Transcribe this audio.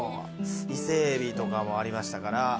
伊勢海老とかもありましたから。